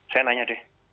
saya nanya deh